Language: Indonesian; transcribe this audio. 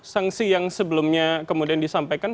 sanksi yang sebelumnya kemudian disampaikan